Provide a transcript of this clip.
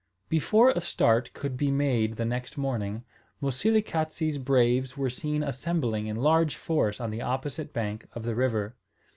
Before a start could be made the next morning, Moselekatse's braves were seen assembling in large force on the opposite bank of the river.